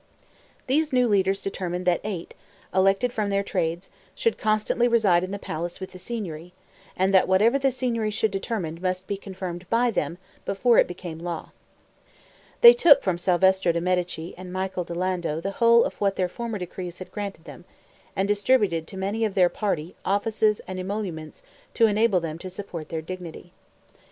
These new leaders determined that Eight, elected from their trades, should constantly reside in the palace with the Signory, and that whatever the Signory should determine must be confirmed by them before it became law. They took from Salvestro de' Medici and Michael di Lando the whole of what their former decrees had granted them, and distributed to many of their party offices and emoluments to enable them to support their dignity.